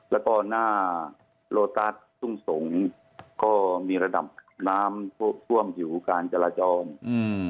แล้วก็หน้าโลตัสทุ่งสงศ์ก็มีระดับน้ำท่วมผิวการจราจรอืม